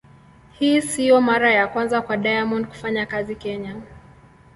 Hii sio mara ya kwanza kwa Diamond kufanya kazi Kenya.